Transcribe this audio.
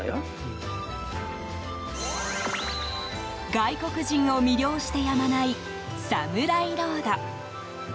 外国人を魅了してやまないサムライロード。